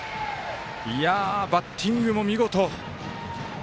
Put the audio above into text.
バッティングも見事。